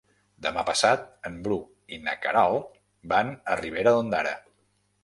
Demà passat en Bru i na Queralt van a Ribera d'Ondara.